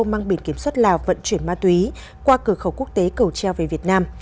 mang biển kiểm soát lào vận chuyển ma túy qua cửa khẩu quốc tế cầu treo về việt nam